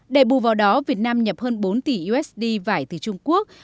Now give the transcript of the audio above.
để bù vào đó việt nam nhập hơn bốn tỷ usd vải từ trung quốc